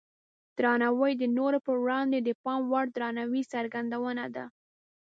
درناوی د نورو په وړاندې د پام وړ درناوي څرګندونه ده.